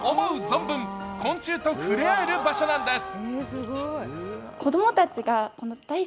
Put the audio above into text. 存分、昆虫と触れ合える場所なんです。